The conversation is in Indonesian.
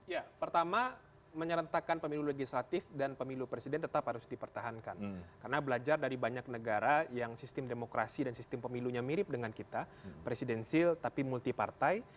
ya pertama menyerentakkan pemilu legislatif dan pemilu presiden tetap harus dipertahankan karena belajar dari banyak negara yang sistem demokrasi dan sistem pemilunya mirip dengan kita presidensil tapi multi partai